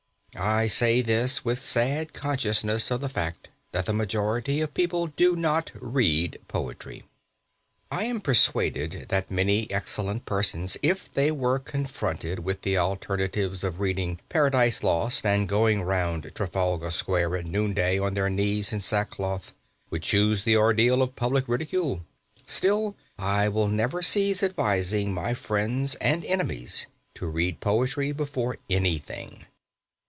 I say this with sad consciousness of the fact that the majority of people do not read poetry. I am persuaded that many excellent persons, if they were confronted with the alternatives of reading "Paradise Lost" and going round Trafalgar Square at noonday on their knees in sack cloth, would choose the ordeal of public ridicule. Still, I will never cease advising my friends and enemies to read poetry before anything.